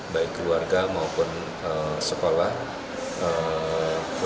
baik keluarga maupun sekolah